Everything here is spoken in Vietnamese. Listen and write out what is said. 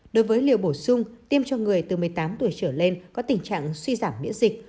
đối với liều bổ sung tiêm cho người từ một mươi tám tuổi trở lên có tình trạng suy giảm miễn dịch